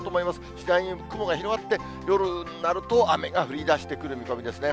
次第に雲が広がって夜になると、雨が降りだしてくる見込みですね。